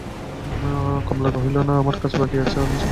কমলা কহিল, না, আমার কাজ বাকি আছে, আমি সন্ধ্যার পরে যাইব।